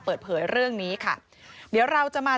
เปิดเผยเรื่องนี้ค่ะเดี๋ยวเราจะมา